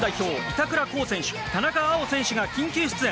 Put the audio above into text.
板倉滉選手、田中碧選手が緊急出演！